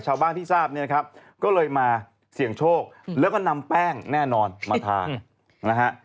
ชาวบ้านที่ทราบเนี่ยนะครับก็เลยมาเสี่ยงโชคแล้วก็นำแป้งแน่นอนมาทานนะฮะ